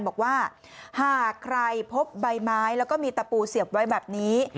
บอกว่าหากใครพบใบไม้แล้วก็มีตะปูเสียบไว้แบบนี้